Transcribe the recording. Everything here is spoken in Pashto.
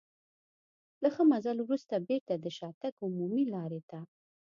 له ښه مزل وروسته بېرته د شاتګ عمومي لارې ته.